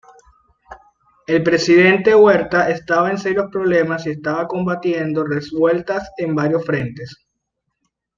El presidente Huerta estaba en serios problemas y estaba combatiendo revueltas en varios frentes.